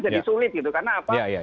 jadi sulit gitu karena apa